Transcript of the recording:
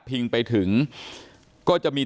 พิงไปถึงก็จะมี